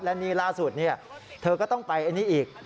และนี่ล่าสุดเธอก็ต้องไปอันนี้อีก